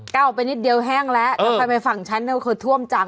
กล้าออกไปนิดเดียวแห้งแล้วเออแล้วไปไปฝั่งชั้นเขาท่วมจัง